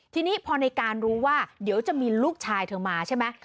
ทีนี้พอในการรู้ว่าเดี๋ยวจะมีลูกชายเธอมาใช่ไหม